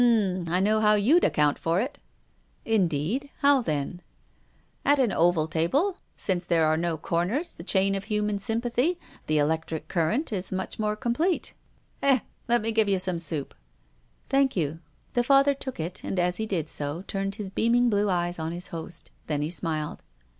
I know how you'd account for it." Indeed. How then ?"<( PROFESSOR GUILDEA. 273 " At an oval tabic, since there are no corners, the chain of human sympathy — the electric cur rent, is much more complete. Eh ! Let me give you some soup." " Thank you." The Father took it, and, as he did so, turned his beaming blue eyes on his host. Then he smiled.